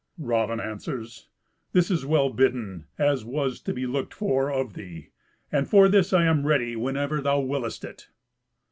Raven answers, "This is well bidden, as was to be looked for of thee, and for this I am ready, whenever thou wiliest it."